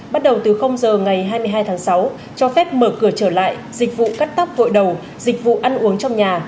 bắt đầu từ giờ ngày hai mươi hai tháng sáu cho phép mở cửa trở lại dịch vụ cắt tóc vội đầu dịch vụ ăn uống trong nhà